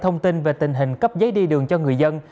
thông tin về tình hình cấp giấy đi đường cho người dân